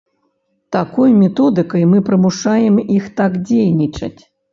Такой методыкай мы прымушаем іх так дзейнічаць.